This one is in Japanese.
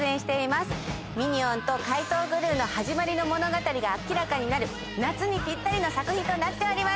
ミニオンと怪盗グルーの始まりの物語が明らかになる夏にぴったりの作品となっております。